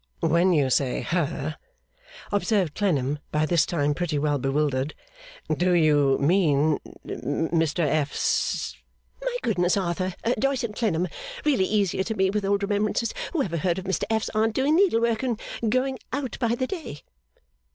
'When you say Her,' observed Clennam, by this time pretty well bewildered, 'do you mean Mr F.'s ' 'My goodness, Arthur Doyce and Clennam really easier to me with old remembrances who ever heard of Mr F.'s Aunt doing needlework and going out by the day?